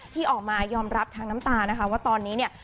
ที่ออกมายอมรับทางน้ำตานะคะว่าตอนนี้เนี่ย